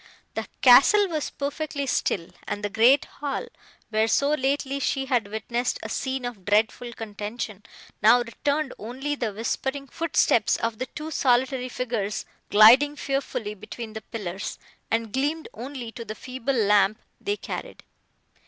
The castle was perfectly still, and the great hall, where so lately she had witnessed a scene of dreadful contention, now returned only the whispering footsteps of the two solitary figures gliding fearfully between the pillars, and gleamed only to the feeble lamp they carried.